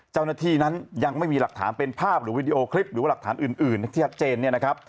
เจ้าหน้าที่นั้นยังไม่มีหลักฐานเป็นภาพหรือวิดีโอคลิปหรือหลักฐานอื่นที่หักเจน